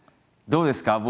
どうですか？